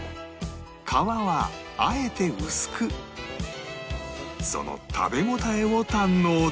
皮はあえて薄くその食べ応えを堪能できる